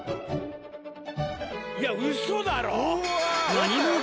いやウソだろ！